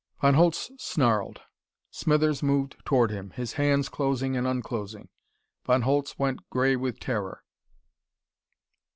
Von Holtz snarled. Smithers moved toward him, his hands closing and unclosing. Von Holtz went gray with terror.